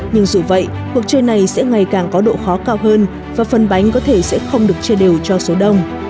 nhưng dù vậy cuộc chơi này sẽ ngày càng có độ khó cao hơn và phần bánh có thể sẽ không được chia đều cho số đông